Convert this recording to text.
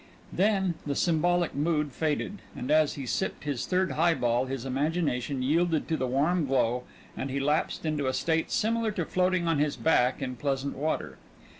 Then the symbolic mood faded and as he sipped his third highball his imagination yielded to the warm glow and he lapsed into a state similar to floating on his back in pleasant water.